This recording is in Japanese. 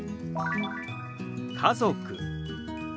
「家族」。